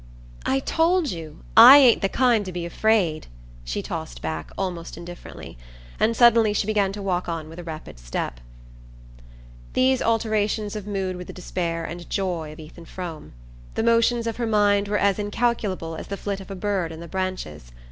"I told you I ain't the kind to be afraid" she tossed back, almost indifferently; and suddenly she began to walk on with a rapid step. These alterations of mood were the despair and joy of Ethan Frome. The motions of her mind were as incalculable as the flit of a bird in the branches.